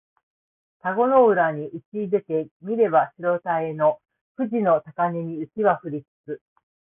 田子の浦にうちいでて見れば白たへの富士の高嶺に雪は降りつつ